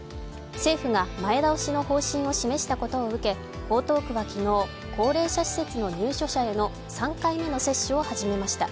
政府が前倒しの方針を示したことを受け江東区は昨日、高齢者施設の入居者への３回目の接種を始めました。